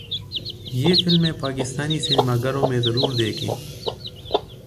یہ فلمیں پاکستانی سینما گھروں میں ضرور دیکھیں